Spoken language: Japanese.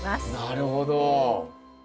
なるほど。